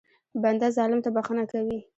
بنده ظالم ته بښنه کوي.